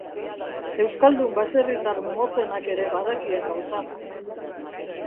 Euskaldun baserritar motzenak ere badakien gauza.